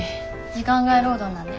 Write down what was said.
時間外労働なんで。